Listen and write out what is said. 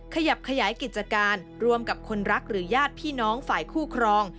ขยับขยายกิจการรวมกับคนรักหรือญาติพี่น้อง